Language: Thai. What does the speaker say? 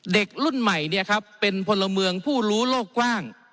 เด็กรุ่นใหม่เป็นพลเมืองผู้รู้โลกกว้าง